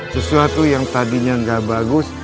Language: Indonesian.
sesuatu yang tadinya nggak bagus